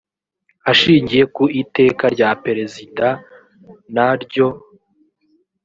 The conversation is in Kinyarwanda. ashingiye ku iteka rya perezida n ryo